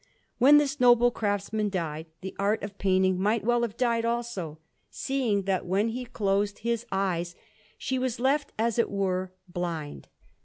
When this noble craftsman died, the art of painting might well have died also, seeing that when he closed his eyes, she was left as it were blind.